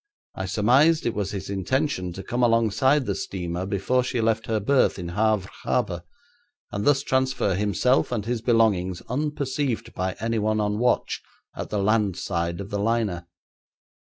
I surmised it was his intention to come alongside the steamer before she left her berth in Havre harbour, and thus transfer himself and his belongings unperceived by anyone on watch at the land side of the liner.